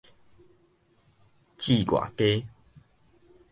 接外家